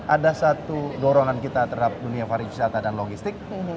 ada satu dorongan kita terhadap dunia pariwisata dan logistik